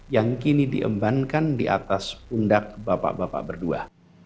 yang kini diembankan di atas pundak bapak bapak berdua